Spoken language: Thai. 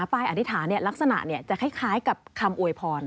ป้ายอธิษฐานเนี่ยลักษณะเนี่ยจะคล้ายกับคำอวยพร